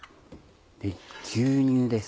牛乳です。